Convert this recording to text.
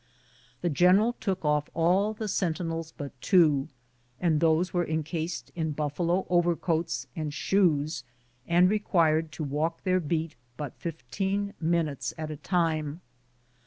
The general took off all the sentinels but two, and those were encased in buffalo overcoats and shoes, and required to walk their beat but fifteen minutes at a time.